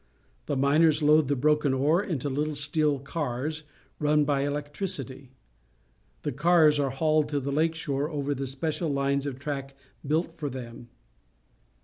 The miners load the broken ore into Uttle steel cars, run by electricity. The cars are hauled to the lake shore over the special hnes of track built for them.